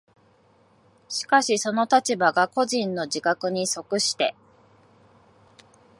しかしその立場が個人の自覚に即して